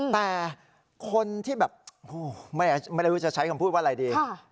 แต่คนที่แบบไม่รู้จะใช้คำพูดว่าอะไรดี